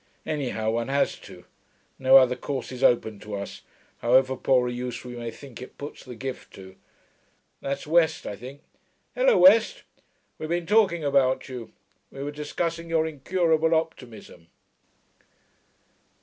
Anyhow, one has to; no other course is open to us, however poor a use we may think it puts the gift to.... That's West, I think. Hullo, West; we've been talking about you. We were discussing your incurable optimism.'